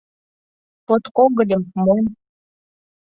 Подкогыльым, монь.